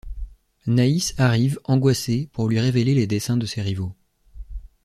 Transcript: Naïs arrive, angoissée, pour lui révéler les desseins de ses rivaux.